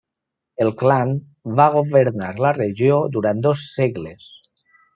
El clan va governar la regió durant dos segles.